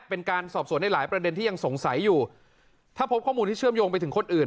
เป็นการสอบสวนในหลายประเด็นที่ยังสงสัยอยู่ถ้าพบข้อมูลที่เชื่อมโยงไปถึงคนอื่น